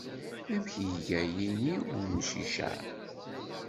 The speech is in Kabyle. Amek iga yini n umcic-a?